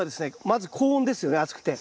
まず高温ですよね暑くて。